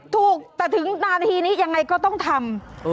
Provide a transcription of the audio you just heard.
ถูกแต่ถึงนาทีนี้ยังไงก็ต้องทำ